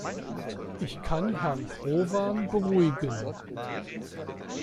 Ich kann Herrn Provan beruhigen.